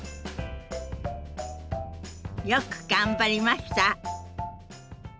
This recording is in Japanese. よく頑張りました。